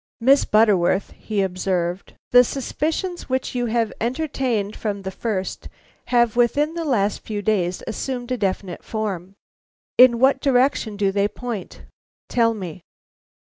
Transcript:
"Miss Butterworth," he observed, "the suspicions which you have entertained from the first have within the last few days assumed a definite form. In what direction do they point? tell me."